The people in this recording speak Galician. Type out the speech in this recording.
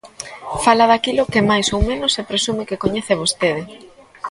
Fala daquilo que máis ou menos se presume que coñece vostede.